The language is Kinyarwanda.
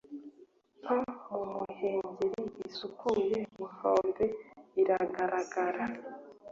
nko mu muhengeri usukuye inkombe iragaragara